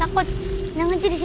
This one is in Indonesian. sampai musim berangkat kembali